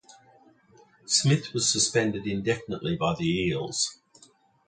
Smith was suspended indefinitely by the Eels.